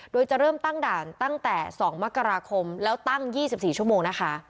โดยจะเริ่มตั้งด่านตั้งแต่๒มกราคมแล้วตั้ง๒๔ชั่วโมงนะคะ